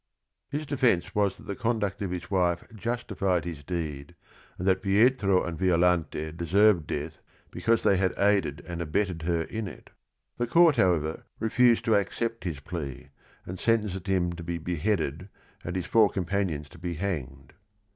His defence was that the conduct of his wife justified his deed and that Pietro and Violante deserved death because they had aided and abetted her in it. The court, however, refused to accept his plea, and sentenced him to be beheaded and his four companions to be hanged.